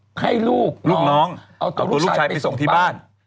เอาตัวลูกชายไปส่งบ้านเอาตัวลูกชายไปส่งบ้าน